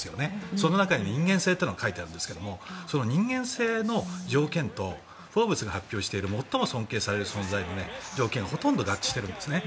その中に人間性というのを書いてあるんですがその人間性の条件と「フォーブス」が発表している最も尊敬される条件はほとんど合致してるんですね。